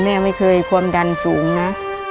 แม่ไม่เคยความดันสูงนะ